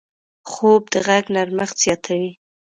خوب د غږ نرمښت زیاتوي